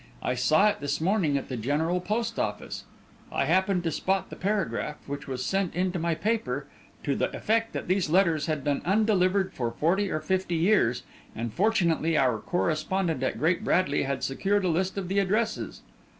I saw it this morning at the General Post Office. I happened to spot the paragraph, which was sent in to my paper, to the effect that these letters had been undelivered for forty or fifty years, and fortunately our correspondent at Great Bradley had secured a list of the addresses.